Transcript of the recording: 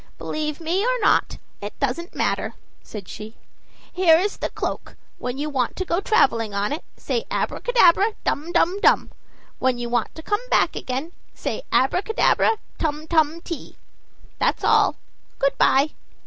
"Believe me or not, it doesn't matter," said she. "Here is the cloak: when you want to go traveling on it, say 'Abracadabra, dum, dum, dum'; when you want to come back again, say 'Abracadabra, tum tum ti.' That's all; good by."